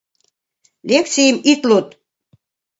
— Лекцийым ит луд!